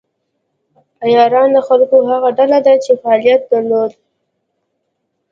عیاران د خلکو هغه ډله ده چې فعالیت درلود.